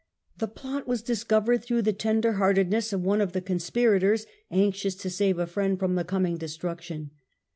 The plot was discovered through the tenderhearted ness of one of the conspirators, anxious to save a friend from the coming destruction.